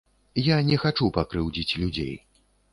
Я не хачу пакрыўдзіць людзей.